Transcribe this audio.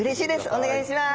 お願いします。